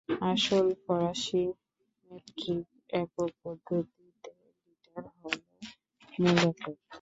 আসল ফরাসী মেট্রিক একক পদ্ধতিতে লিটার হল মূল একক।